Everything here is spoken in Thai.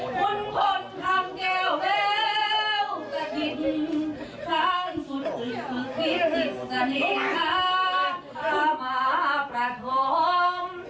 ทิ้งทางสุดสุดวิจิสนิษย์ค่ะพระมาพระธอม